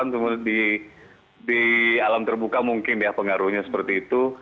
kemudian di alam terbuka mungkin ya pengaruhnya seperti itu